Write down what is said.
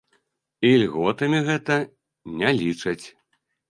І льготамі гэта не лічаць.